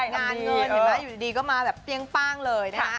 งานเงินเห็นไหมอยู่ดีก็มาแบบเปรี้ยงป้างเลยนะฮะ